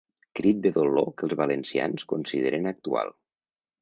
Crit de dolor que els valencians consideren actual.